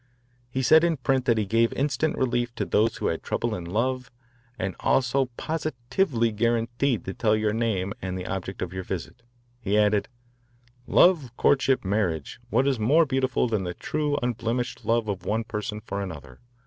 He said in print that he gave instant relief to those who had trouble in love, and also positively guaranteed to tell your name and the object of your visit. He added: Love, courtship, marriage. What is more beautiful than the true unblemished love of one person for another?